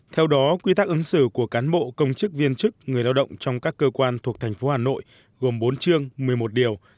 theo đó quy tắc ứng xử của cán bộ công chức viên chức người lao động trong các cơ quan thuộc thành phố hà nội gồm bốn chương một mươi một điều